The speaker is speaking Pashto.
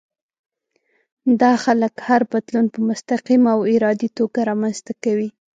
دا خلک هر بدلون په مستقيمه او ارادي توګه رامنځته کوي.